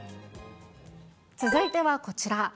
続いてはこちら。